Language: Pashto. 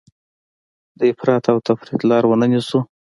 د افراط او تفریط لاره ونه نیسو.